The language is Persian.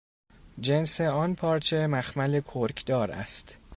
جنس آن پارچه، مخمل کرکدار است